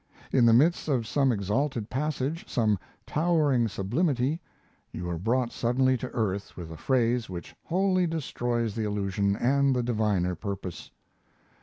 In the midst of some exalted passage, some towering sublimity, you are brought suddenly to earth with a phrase which wholly destroys the illusion and the diviner purpose.